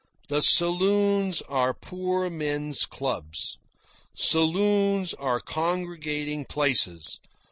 The saloons are poor men's clubs. Saloons are congregating places.